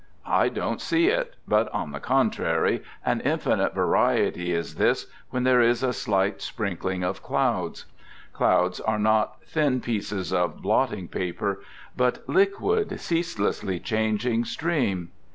I don't see it, but on the contrary, an infinite variety is this, when there is a slight sprinkling of clouds. Clouds are not thin pieces of 96 "THE GOOD SOLDIER 'blotting paper ; but liquid, ceaselessly changing steam.